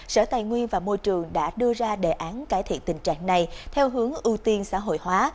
sở tài nguyên và môi trường đã đưa ra đề án cải thiện tình trạng này theo hướng ưu tiên xã hội hóa